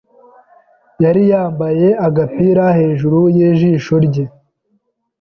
yari yambaye agapira hejuru yijisho rye.